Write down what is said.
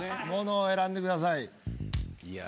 ものを選んでください。